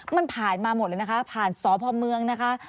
มันผ่านมาหมดเลยนะคะผ่านสพเมืองนะคะ